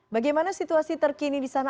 bagaimana situasi terkini di sana